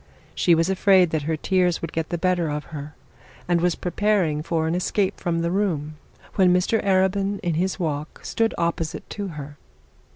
She was afraid that her tears would get the better of her, and was preparing for an escape from the room, when Mr Arabin in his walk stood opposite to her.